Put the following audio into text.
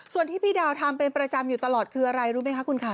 ส่วนที่พี่ดาวทำเป็นประจำอยู่ตลอดคืออะไรรู้ไหมคะคุณคะ